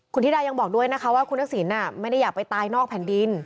คุณธิดายังบอกด้วยนะคะว่าคุณทักษิณไม่ได้อยากไปตายนอกแผ่นดิน